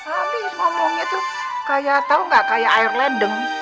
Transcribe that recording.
kami ngomongnya tuh kayak tau gak kayak air ledeng